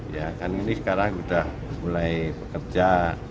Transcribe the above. ya kan ini sekarang sudah mulai bekerja